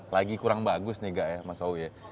lagi kurang bagus nih gak ya mas owi ya